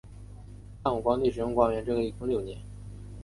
汉武帝使用元光这个年号一共六年。